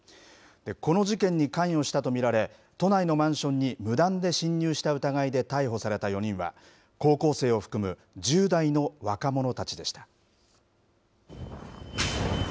この事件に関与したと見られ、都内のマンションに無断で侵入した疑いで逮捕された４人は、高校生を含む１０代の若者たちでした。